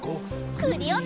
クリオネ！